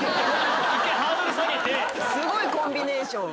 すごいコンビネーション。